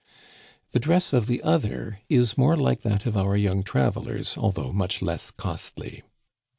The dress of the other is more like that of our young travelers, although much less costly.